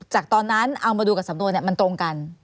จากตอนนั้นเอามาดูกับสำนวนมันตรงกัน